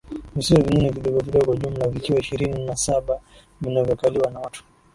visiwa vingine vidogo vidogo jumla vikiwa ishirini na saba vinavyokaliwa na watu